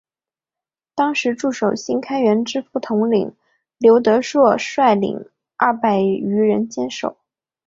当时驻守新开园之副统领刘德杓率领二百余人坚守。